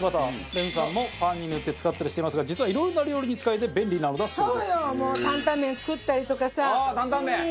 レミさんもパンに塗って使ったりしていますが実はいろいろな料理に使えて便利なのだそうです。